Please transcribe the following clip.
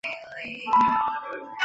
其母是安禄山平妻段氏。